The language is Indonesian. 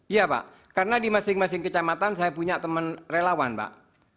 iya pak karena di masing masing kecamatan saya punya teman relawan pak